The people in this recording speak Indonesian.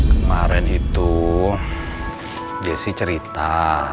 kemarin itu jessi cerita